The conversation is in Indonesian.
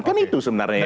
kan itu sebenarnya yang